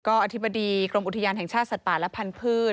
ก็อธิบดีกรมอุทยานแห่งชาติสัตว์ป่าและพันธุ์